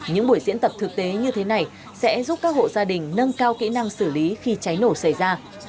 những buổi diễn tập thực tế như thế này sẽ giúp các hộ gia đình nâng cao kỹ năng xử lý khi cháy nổ xảy ra